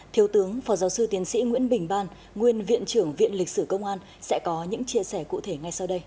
thiếu tướng phó giáo sư tiến sĩ nguyễn bình ban nguyên viện trưởng viện lịch sử công an sẽ có những chia sẻ cụ thể ngay sau đây